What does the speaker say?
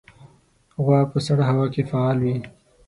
غوا په سړه هوا کې فعال وي.